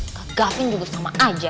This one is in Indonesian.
ke gavin juga sama aja